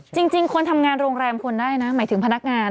จริงคนทำงานโรงแรมควรได้นะหมายถึงพนักงาน